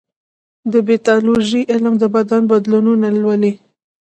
د پیتالوژي علم د بدن بدلونونه لولي.